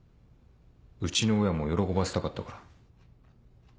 うちの親も喜ばせたかったから。